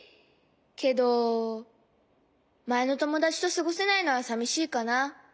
けどまえのともだちとすごせないのはさみしいかな。